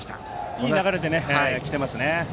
いい流れで来ていますね。